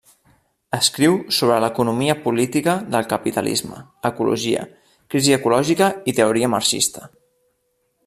Escriu sobre l'economia política del capitalisme, ecologia, crisi ecològica i teoria marxista.